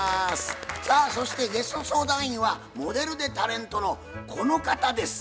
さあそしてゲスト相談員はモデルでタレントのこの方です。